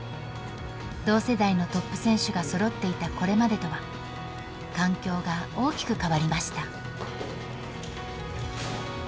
同世代のトップ選手がそろっていたこれまでとは環境が大きく変わりました。